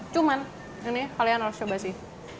cuman ini kalian harus coba sih